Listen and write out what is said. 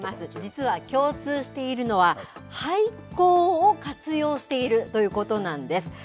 実は共通しているのは、廃校を活用しているということなんです。